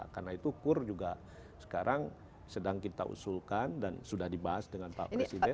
karena itu kur juga sekarang sedang kita usulkan dan sudah dibahas dengan pak presiden